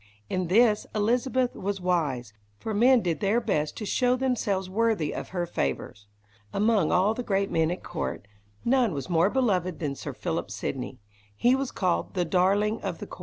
In this Elizabeth was wise, for men did their best to show themselves worthy of her favours. Among all the great men at court, none was more beloved than Sir Philip Sidney. He was called "the darling of the court".